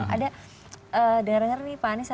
ada denger denger nih pak anies ada tanya tanya